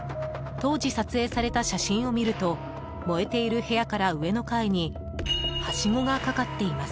当時、撮影された写真を見ると燃えている部屋から上の階にはしごが架かっています。